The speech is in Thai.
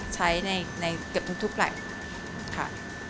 ใช้ในเกือบทุนทุกแปลกค่ะ